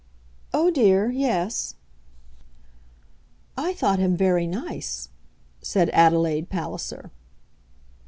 "Oh, dear, yes." "I thought him very nice," said Adelaide Palliser.